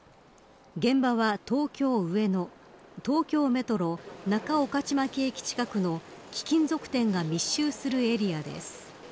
現場は、東京・上野東京メトロ仲御徒町駅近くの貴金属店が密集するエリアです。